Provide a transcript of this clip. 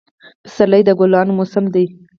پسرلی د ګلانو موسم دی